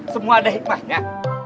semua ada hikmahnya